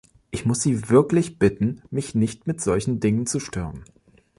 Ich muss Sie wirklich bitten, mich nicht mit solchen Dingen zu stören.